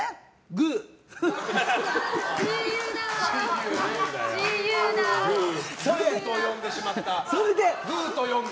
「グ」と読んでしまった。